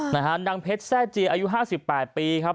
นางเพชรแซ่เจียอายุ๕๘ปีครับ